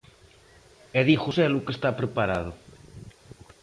E di Joselu que está preparado.